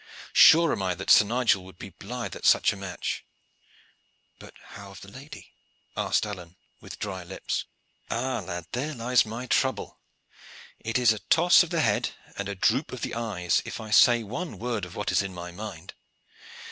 Sure am I that Sir Nigel would be blithe at such a match." "But how of the lady?" asked Alleyne, with dry lips. "Ah, lad, there lies my trouble. It is a toss of the head and a droop of the eyes if I say one word of what is in my mind.